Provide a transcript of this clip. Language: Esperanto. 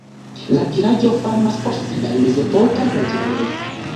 La vilaĝo famas pro siaj mezepokaj preĝejoj.